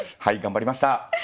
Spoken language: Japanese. はい頑張りました。